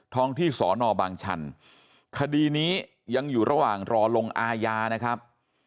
ท้องที่สอนอบางชันคดีนี้ยังอยู่ระหว่างรอลงอาญานะครับ